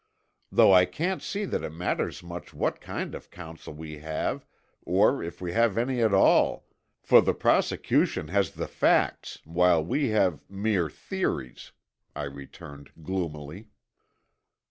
Though I can't see that it matters much what kind of counsel we have or if we have any at all, for the prosecution has the facts while we have mere theories," I returned gloomily.